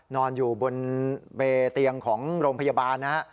นอนอยู่บนเตียงของโรงพยาบาลนะฮะ